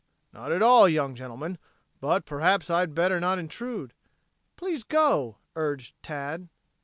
"Not at all, young gentlemen. But perhaps I had better not intrude " "Please go," urged Tad.